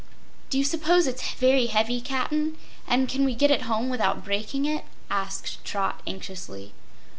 "Do you 'spose it's very heavy, Cap'n? And can we get it home without breaking it?" asked Trot anxiously.